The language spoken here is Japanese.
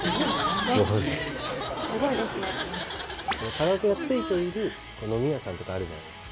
カラオケがついている飲み屋さんとかあるじゃないですか。